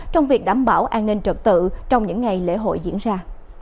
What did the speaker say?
trong việc đảm bảo an ninh trật tự trong những ngày lễ hội diễn ra